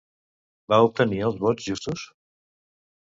Va obtenir els vots justos?